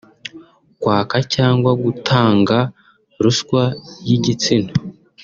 kwaka cyangwa gutanga ruswa y’igitsina